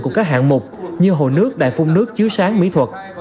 cùng các hạng mục như hồ nước đại phung nước chứa sáng mỹ thuật